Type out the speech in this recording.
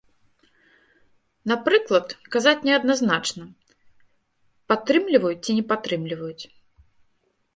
Напрыклад, казаць неадназначна, падтрымліваюць ці не падтрымліваюць.